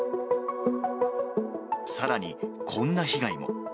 さらにこんな被害も。